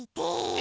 え